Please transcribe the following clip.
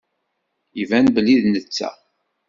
Iban belli d netta.